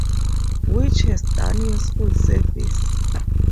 Which has done useful service.